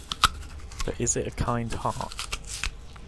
But is it a kind heart?